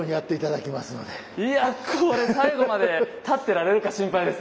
いやこれ最後まで立ってられるか心配です。